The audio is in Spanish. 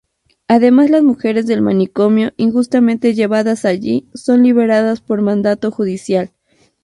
Además las mujeres del manicomio injustamente llevadas allí son liberadas por mandato judicial.